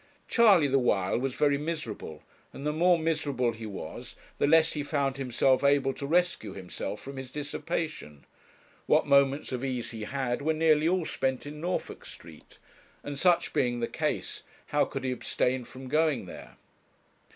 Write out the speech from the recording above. Charley the while was very miserable, and the more miserable he was, the less he found himself able to rescue himself from his dissipation. What moments of ease he had were nearly all spent in Norfolk Street; and such being the case how could he abstain from going there?